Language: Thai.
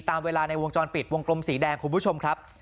ตามเวลาในวงจรปิดวงกลมสีแดงคุณผู้ชมครับ